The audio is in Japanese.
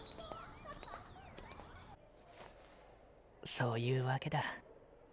そういうワケだ。